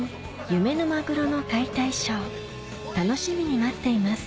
夢のマグロの解体ショー楽しみに待っています